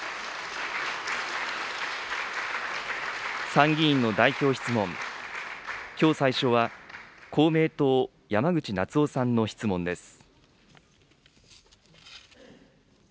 参議院の代表質問、きょう最初は、公明党、山口那津男さんの質問です。